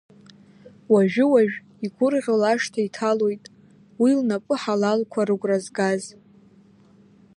Уажәы-уажә игәырӷьо лашҭа иҭалоит, уи лнапы ҳалалқәа рыгәра згаз.